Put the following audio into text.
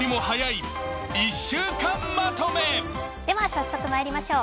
早速まいりましょう。